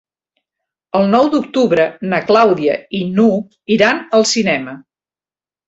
El nou d'octubre na Clàudia i n'Hug iran al cinema.